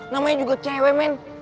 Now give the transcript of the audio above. namanya juga cewek men